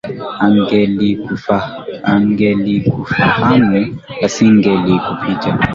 Angelikufahamu asingelikupita.